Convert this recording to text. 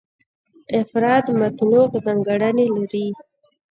افراد متنوع ځانګړنې لري.